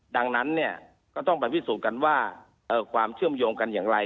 ดังนั้นเนี่ยก็ต้องไปพิสูจน์กันว่าความเชื่อมโยงกันอย่างไร